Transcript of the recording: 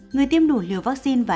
người tiêm đủ liều vaccine và f